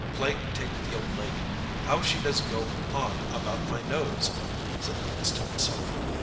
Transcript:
â âPlague take the old lady! How she does go on about my nose!â said the Prince to himself.